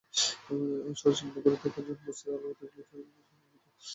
সরেজমিন ঘুরে দেখা যায়, বস্তির অলিতে-গলিতে সাপের মতো প্যাঁচানো অবৈধ পানির পাইপ।